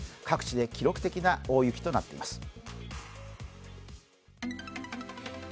各地で記録的な大雪となっています。